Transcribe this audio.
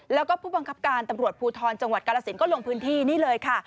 แล้วก็ผู้บังคับการตำรวจภูทรจังหวัดกาลสินก็ลงพื้นที่นี่เลยค่ะ